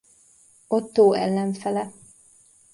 Ottó ellenfele.